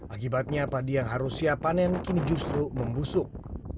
akibatnya padi yang harus siap panen kini justru membusuk